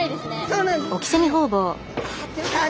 そうなんですはい。